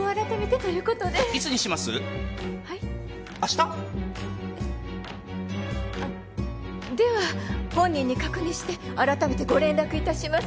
あでは本人に確認して改めてご連絡いたします。